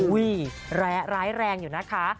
อุ๊ยแร้แรงอยู่นะคะ